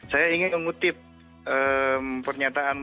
saya ingin mengutip pernyataan